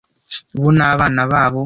bo n'abana babo